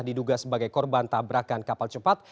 diduga sebagai korban tabrakan kapal cepat